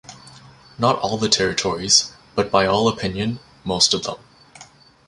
Not all the territories; but by all opinion, most of them.